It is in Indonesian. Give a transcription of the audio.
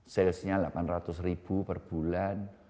sales nya rp delapan ratus ribu per bulan